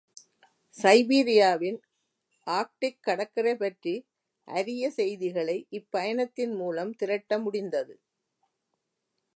சைபீரியாவின் Arctic கடற்கரை பற்றி அரிய செய்திகளை இப்பயணத்தின் மூலம் திரட்ட முடிந்தது.